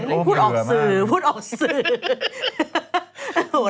พูดออกสื่อพูดออกสื่อ